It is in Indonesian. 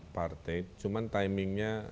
partai cuman timingnya